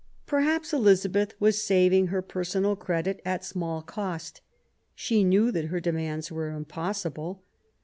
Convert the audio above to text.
Perhaps Elizabeth was saving her personal credit at small cost. She knew that her demands were impossible.